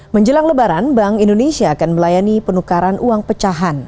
menjelang lebaran bank indonesia akan melayani penukaran uang pecahan